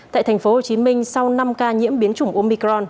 tại tp hcm sau năm ca nhiễm biến chủng omicron